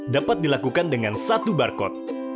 dapat dilakukan dengan satu barcode